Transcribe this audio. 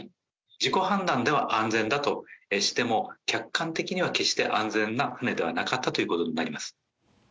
自己判断では安全だとしても、客観的には決して安全な船ではなかったということになります。